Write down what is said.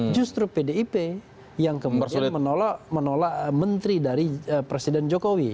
justru pdip yang kemudian menolak menteri dari presiden jokowi